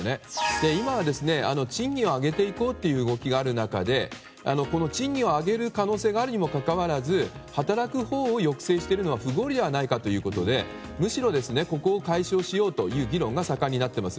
今は、賃金を上げていこうという動きがある中で賃金を上げる可能性があるにもかかわらず働くほうを抑制しているのは不合理ではないかということでむしろ、ここを解消しようという議論が盛んになっています。